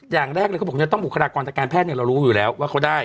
อย่างแรกผมยักต้องบุคลากรทักการแพทย์เนี่ยเรารู้อยู่แล้วว่าเขาได้